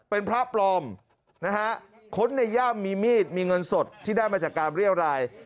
เป็นพระปลอมนะฮะค้นในย่ามมีมีดมีเงินสดที่ได้มาจากการเรียรัย